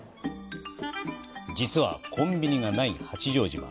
実は、コンビニがない八丈島。